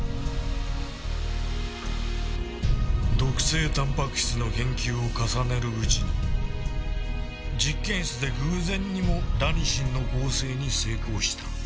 毒性タンパク質の研究を重ねるうちに実験室で偶然にもラニシンの合成に成功した。